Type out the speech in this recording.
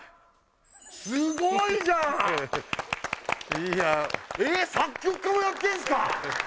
すごいじゃんいやえっ作曲家もやってんすか？